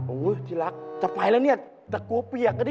โอ้โฮที่รักจะไปแล้วนี่แต่กลัวเปียกกันดิ